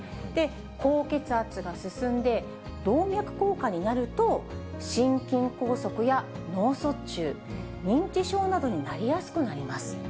高血圧が進んで、動脈硬化になると、心筋梗塞や脳卒中、認知症などになりやすくなります。